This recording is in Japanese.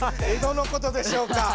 エドのことでしょうか。